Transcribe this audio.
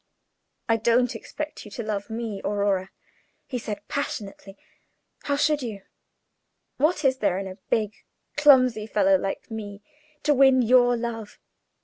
"I don't expect you to love me, Aurora," he said, passionately; "how should you? What is there in a big, clumsy fellow like me to win your love?